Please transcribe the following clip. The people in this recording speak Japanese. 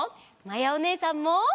まやおねえさんも！